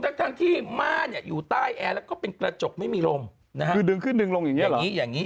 ยังไงคือดึงขึ้นดึงลงอย่างนี้หรอคือดึงขึ้นดึงลงอย่างนี้หรอ